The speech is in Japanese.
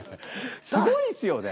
すごいですよね。